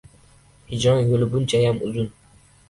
Hijron yo‘li bunchayam uzun